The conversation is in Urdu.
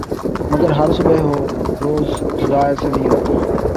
مگر ہر صبح ہو روز جزا ایسے نہیں ہوتا